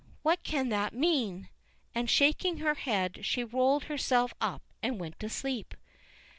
_ What can that mean?" and, shaking her head, she rolled herself up and went to sleep.